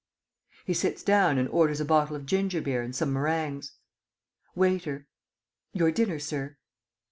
[He sits down and orders a bottle of ginger beer and some meringues. Waiter. Your dinner, Sir.